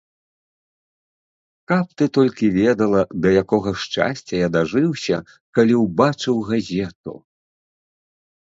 Каб ты толькі ведала, да якога шчасця я дажыўся, калі ўбачыў газету.